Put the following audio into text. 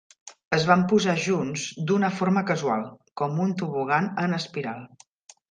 Es van posar junts d'una forma casual, com un tobogan en espiral.